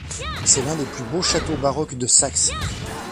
C'est l'un des plus beaux châteaux baroques de Saxe.